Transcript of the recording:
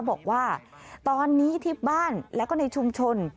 บอกว่าตอนนี้ที่บ้านแล้วก็ในชุมชน